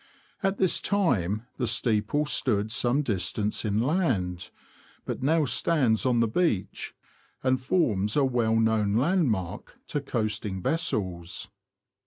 At this time the steeple stood some distance inland, but now stands on the beach, and forms a well known landmark to coasting vessels.